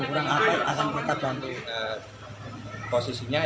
semua labnya ada darah tinggi potensinya